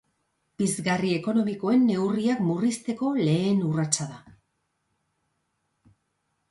Pizgarri ekonomikoen neurriak murrizteko lehen urratsa da.